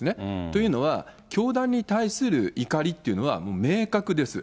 というのは、教団に対する怒りっていうのは明確です。